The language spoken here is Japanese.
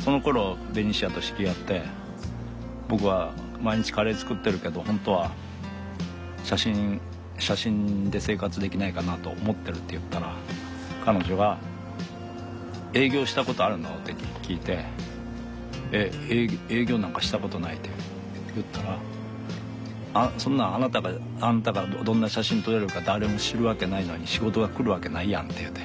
そのころベニシアと知り合って僕は毎日カレー作ってるけど本当は写真で生活できないかなと思ってるって言ったら彼女が営業したことあるの？って聞いて営業なんかしたことないって言ったらそんなんあんたがどんな写真撮れるのか誰も知るわけないのに仕事が来るわけないやんって。